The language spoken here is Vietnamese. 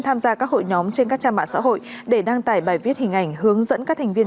tham gia các hội nhóm trên các trang mạng xã hội để đăng tải bài viết hình ảnh hướng dẫn các thành viên